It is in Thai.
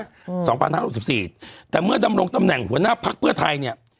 อืมสองพันห้าหกสิบสี่แต่เมื่อดำรงตำแหน่งหัวหน้าพักเพื่อไทยเนี้ย